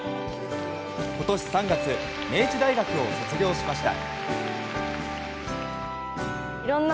今年３月明治大学を卒業しました。